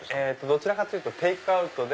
どちらかというとテイクアウトで。